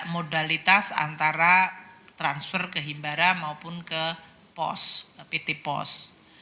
modalitas antara transfer ke himbara maupun ke pt pos